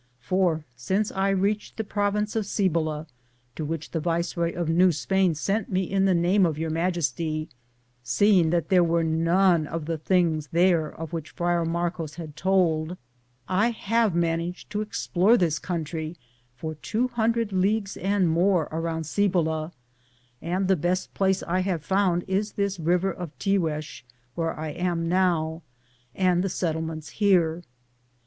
For since I reached the province of Cibola, to which the viceroy of New Spain sent me in the name of Your Majesty, seeing that there were none of the things there of which Friar Marcos had told, I have managed to explore this country for 200 leagues and more around Cibola, and the best place I have found is this river of Tiguex where I am now, and the settlements here.